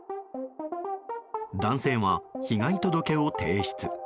男性は被害届を提出。